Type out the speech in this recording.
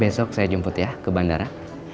besok saya jemput ya ke bandara